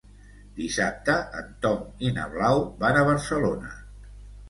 Dissabte en Tom i na Blau van a Barcelona.